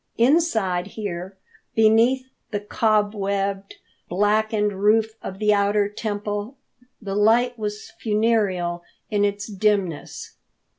Inside here, beneath the cobwebbed, blackened roof of the outer temple, the light was funereal in its dimness.